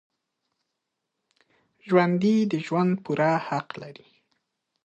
ژوندي د ژوند پوره حق لري